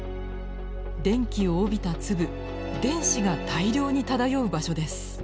電気を帯びた粒電子が大量に漂う場所です。